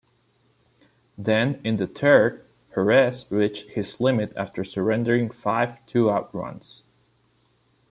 Then in the third, Perez reached his limit after surrendering five two-out runs.